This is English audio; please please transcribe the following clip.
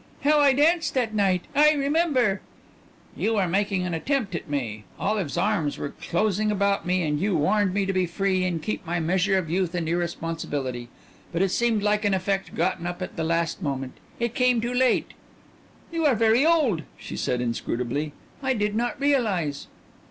"How I danced that night! I remember." "You were making an attempt at me. Olive's arms were closing about me and you warned me to be free and keep my measure of youth and irresponsibility. But it seemed like an effect gotten up at the last moment. It came too late." "You are very old," she said inscrutably. "I did not realize."